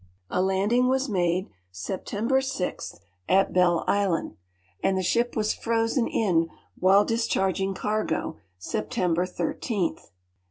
A landing was madt*, September 0, at Dell island, and the ship was frozen in while discharging cargo, September l.'k .